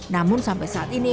namun sampai saat ini